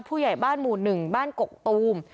ผู้ใหญ่บ้านหมู่๑บ้านกกตูม